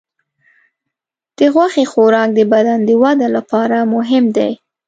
د غوښې خوراک د بدن د وده لپاره مهم دی.